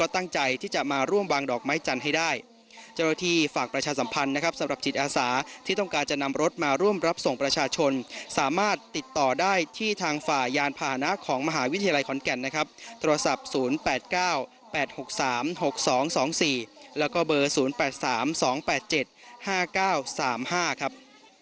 ที่ทางฝ่ายานภาณะของมหาวิทยาลัยขอนแก่นนะครับโทรศัพท์๐๘๙๘๖๓๖๒๒๔แล้วก็เบอร์๐๘๓๒๘๗๕๙๓๕ครับ